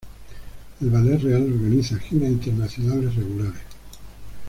El Ballet Real organiza giras internacionales regulares.